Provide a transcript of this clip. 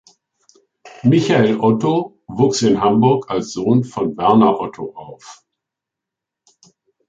Michael Otto wuchs in Hamburg als Sohn von Werner Otto auf.